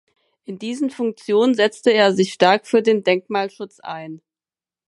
In diesen Funktionen setzte er sich stark für den Denkmalschutz ein.